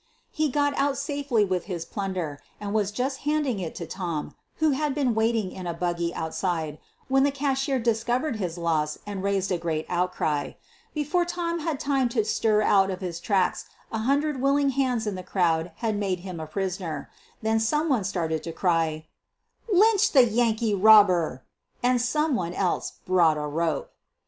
He got safely out with his plunder and was just banding it to Tom, who had been waiting in a buggy QUEEN OF THE BURGLAES 139 outside, when the cashier discovered his loss and raised a great outcry. Before Tom had time to stir out of his tracks a hundred willing hands in the crowd had made him a prisoner — then some one started the cry, " Lynch the Yankee robber !" and some one else brought a rope.